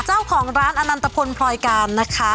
เจ้าของร้านอนันตพลพลอยการนะคะ